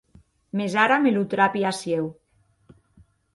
Mès ara me lo trapi aciu.